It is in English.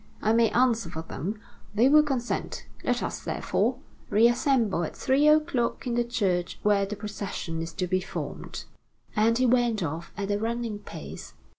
I may answer for them they will consent. Let us, therefore, reassemble at three o'clock in the church where the procession is to be formed." And he went off at a running pace.